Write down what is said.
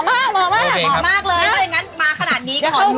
รถเมล์หมากเลยนะพี่ออกมาขนาดนี้เค้าครัวได้ไหม